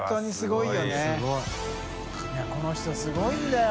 いこの人すごいんだよ